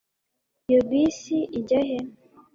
iyo bisi ijya he